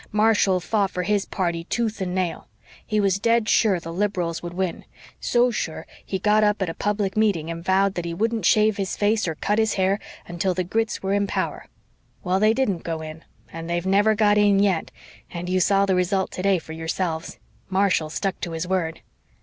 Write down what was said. Marshall fought for his party tooth and nail. He was dead sure the Liberals would win so sure that he got up at a public meeting and vowed that he wouldn't shave his face or cut his hair until the Grits were in power. Well, they didn't go in and they've never got in yet and you saw the result today for yourselves. Marshall stuck to his word."